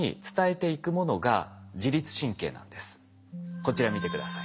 こちら見て下さい。